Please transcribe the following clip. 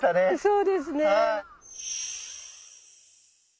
そうですね。